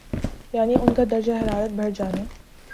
یعنی ان کا درجہ حرارت بڑھ جانے